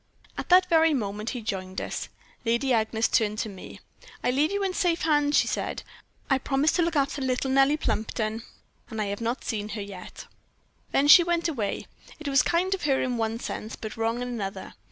"At that very moment he joined us. Lady Agnes turned to me. "'I leave you in safe hands,' she said. 'I promised to look after little Nellie Plumpton, and I have not seen her yet.' "Then she went away. It was kind of her in one sense, but wrong in another.